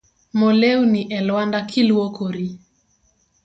Mo lewni e lwanda ki luokori.